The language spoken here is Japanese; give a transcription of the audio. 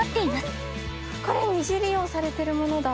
これ二次利用されてるものだ。